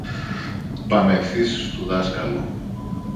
Πάμε ευθύς στου δασκάλου.